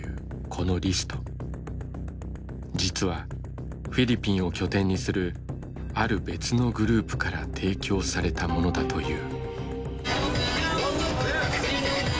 実はフィリピンを拠点にするある別のグループから提供されたものだという。